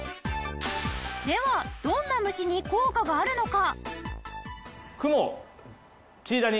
ではどんな虫に効果があるのか？